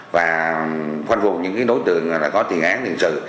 và phân phục những đối tượng có tiền án tiền sự